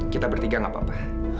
kita bertiga gak apa apa